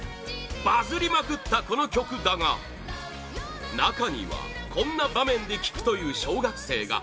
バズりまくったこの曲だが中には、こんな場面で聴くという小学生が！